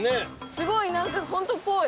すごいなんか本当っぽい。